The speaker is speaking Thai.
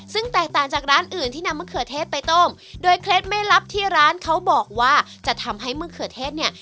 ซึ่งแตกต่างจากร้านอื่นที่นำมะเขือเทศไปต้มโดยเคล็ดไม่ลับที่ร้านเขาบอกว่าจะทำให้มะเขือเทศเนี่ย